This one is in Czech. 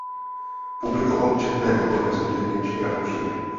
Publikoval četné odborné studie v němčině a polštině.